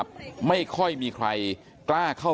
พ่ออยู่หรือเปล่า